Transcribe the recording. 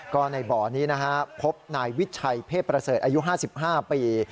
ก็ในบ่อนี้นะฮะพบนายวิชัยเทพประเสริฐอายุ๕๕ปี